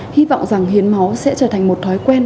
hy vọng rằng hiến máu sẽ trở thành một thói quen